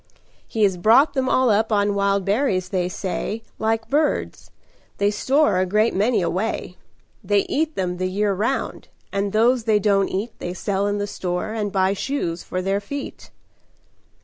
He has brought them all up on wild berries, they say, Like birds. They store a great many away. They eat them the year round, and those they don't eat They sell in the store and buy shoes for their feet."